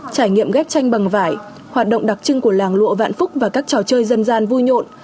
trải nghiệm ghép tranh bằng vải hoạt động đặc trưng của làng lụa vạn phúc và các trò chơi dân gian vui nhộn